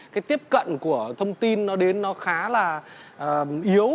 cái tiếp cận của thông tin nó đến nó khá là yếu